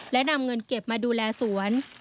และนำเงินเก็บมาดูแลสวน